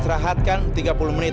tidak bisa aida kebetulan mulut